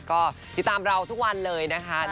ก็ติดตามเราทุกวันเลยนะคะ